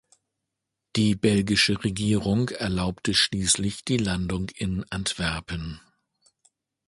Die belgische Regierung erlaubte schließlich die Landung in Antwerpen.